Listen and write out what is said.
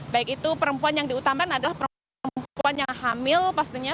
baik itu perempuan yang diutamakan adalah perempuan yang hamil pastinya